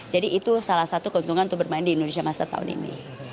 jadi itu salah satu keuntungan untuk bermain di indonesia masters tahun ini